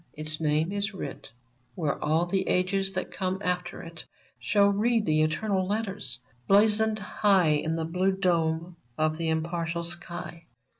Its name is \vrit Where all the ages that come after it Shall read the eternal letters, blazoned high On the blue dome of the impartial sky.